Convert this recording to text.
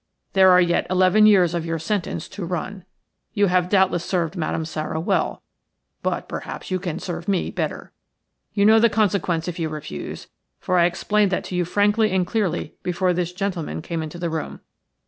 There are yet eleven years of your sentence to run. You have doubtless served Madame Sara well – but perhaps you can serve me better. You know the consequence if you refuse, for I explained that to you frankly and clearly before this gentleman came into the room.